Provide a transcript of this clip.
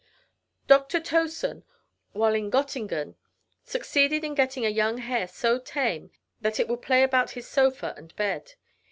Dr. Towson, while in Gottingen, succeeded in getting a young hare so tame, that it would play about his sofa and bed.